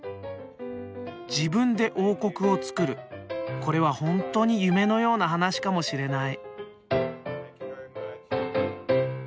自分で王国をつくるこれは本当に夢のような話かもしれない。